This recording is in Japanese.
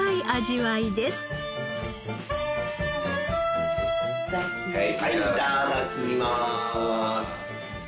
はいいただきます。